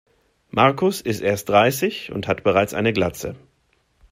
Markus ist erst dreißig und hat bereits eine Glatze.